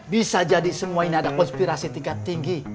bisa jadi semuanya ada konspirasi tingkat tinggi